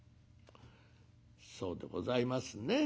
「そうでございますね。